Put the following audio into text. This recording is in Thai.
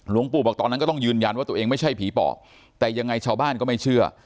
หลวงปู่บอกตอนนั้นก็ต้องยืนยันว่าตัวเองไม่ใช่ผีปอบแต่ยังไงชาวบ้านก็ไม่เชื่อ